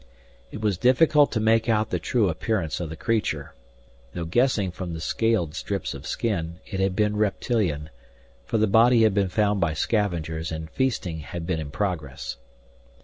It was difficult to make out the true appearance of the creature, though guessing from the scaled strips of skin it had been reptilian, for the body had been found by scavengers and feasting had been in progress.